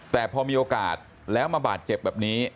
แต่พอมีโอกาสแล้วมาบาดเจ็บแบบนี้